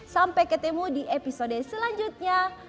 sampai ketemu di episode selanjutnya